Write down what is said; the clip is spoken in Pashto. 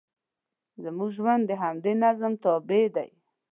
زموږ ژوند د همدې نظم تابع دی.